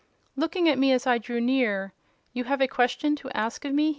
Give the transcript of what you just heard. Looking up as I drew near—"You have a question to ask of me?"